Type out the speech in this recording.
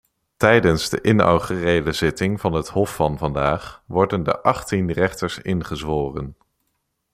Tijdens de inaugurele zitting van het hof van vandaag worden de achttien rechters ingezworen.